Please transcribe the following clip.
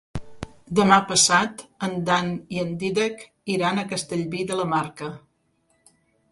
Demà passat en Dan i en Dídac iran a Castellví de la Marca.